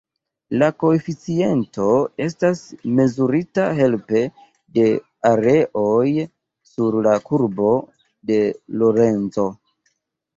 La koeficiento estas mezurita helpe de areoj sur la Kurbo de Lorenzo.